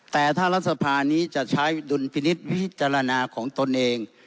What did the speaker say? แต่ถ้ารัฐสภานี้จะใช้ดุลพินิษฐ์พิจารณาของตนเอง